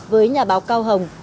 với nhà báo cao hồng